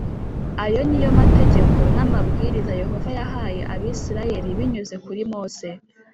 Ayo ni yo mategeko f n amabwiriza Yehova yahaye Abisirayeli binyuze kuri Mose